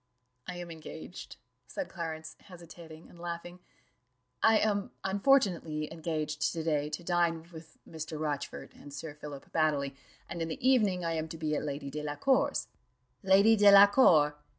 "I am engaged," said Clarence, hesitating and laughing "I am unfortunately engaged to day to dine with Mr. Rochfort and Sir Philip Baddely, and in the evening I am to be at Lady Delacour's." "Lady Delacour!